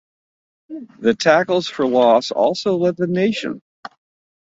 The tackles for loss also led the nation.